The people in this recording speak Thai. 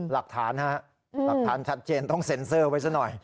หลักฐานฮะหลักฐานชัดเจนต้องเซ็นเซอร์ไว้ซะหน่อย